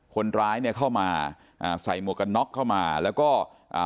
คนร้ายเนี่ยเข้ามาอ่าใส่หมวกกันน็อกเข้ามาแล้วก็อ่า